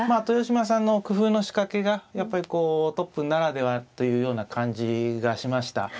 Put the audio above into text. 豊島さんの工夫の仕掛けがやっぱりトップならではというような感じがしました。